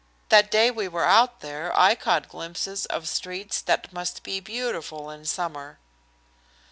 That day we were out there I caught glimpses of streets that must be beautiful in summer."